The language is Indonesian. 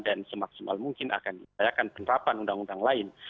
dan semaksimal mungkin akan diperdayakan penerapan undang undang lain